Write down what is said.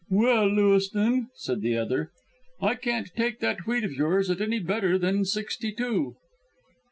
"Well, Lewiston," said the other, "I can't take that wheat of yours at any better than sixty two."